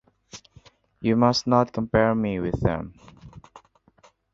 You must not compare me with them.